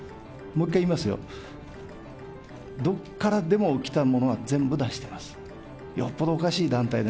もう一回言いますよ、どっからでも来たものは全部出してます。